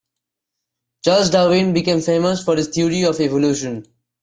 Charles Darwin became famous for his theory of evolution.